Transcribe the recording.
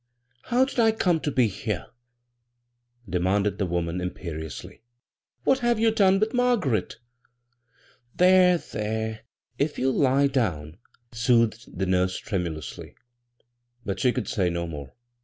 How did 1 come to be here?" denianded the woman, imperiously. "What have you done with Margaret?" "There, there ; if you'll lie down," soothed the nurse tremulously ; but she could say no more.